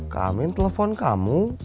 kaka amin telepon kamu